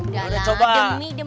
udah lah demi demi